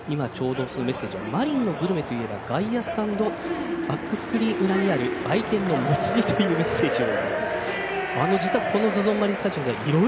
今ちょうどメッセージにはマリンのグルメと言えば外野スタンドバックスクリーン裏にあるもつ煮というメッセージが。